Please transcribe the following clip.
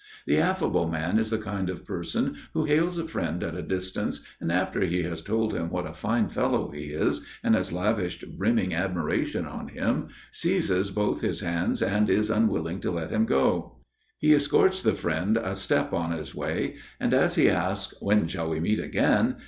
The affable man is the kind of person who hails a friend at a distance, and after he has told him what a fine fellow he is, and has lavished brimming admiration on him, seizes both his hands, and is unwilling to let him go. He escorts the friend a step on his way, and as he asks "When shall we meet again?"